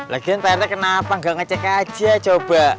lagian pak rete kenapa nggak ngecek aja coba